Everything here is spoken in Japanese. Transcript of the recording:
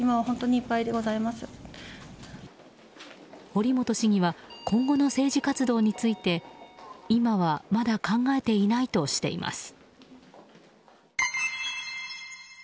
堀本市議は今後の政治活動について今はまだ考えていないとしています。